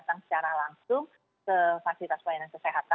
datang secara langsung ke fasilitas pelayanan kesehatan